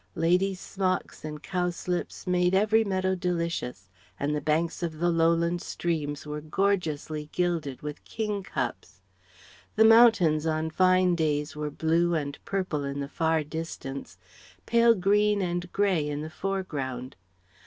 Ladies' smocks and cowslips made every meadow delicious; and the banks of the lowland streams were gorgeously gilded with king cups. The mountains on fine days were blue and purple in the far distance; pale green and grey in the foreground.